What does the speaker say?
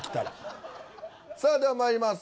さあではまいります。